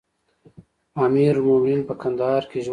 امير المؤمنين په کندهار کې ژوند کوي.